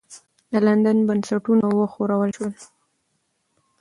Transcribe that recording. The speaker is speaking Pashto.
د لندن بنسټونه وښورول سول.